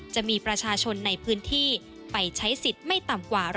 จะมีประชาชนในพื้นที่ไปใช้สิทธิ์ไม่ต่ำกว่า